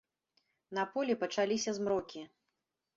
На полі пачаліся змрокі.